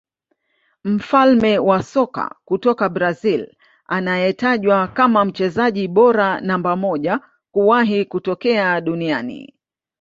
Mfalme wa soka kutoka Brazil anayetajwa kama mchezaji bora namba moja kuwahi kutokea duniani